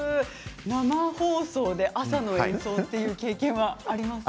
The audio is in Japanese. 生放送で朝の演奏という経験はありますか。